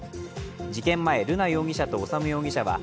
事件前、瑠奈容疑者と修容疑者は